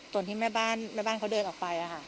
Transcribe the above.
ตอนที่แม่บ้านเขาเดินออกไป